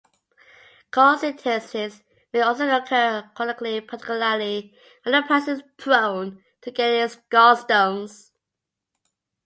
Cholecystitis may also occur chronically, particularly when a person is prone to getting gallstones.